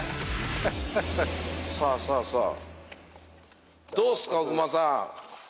さあさあさあ。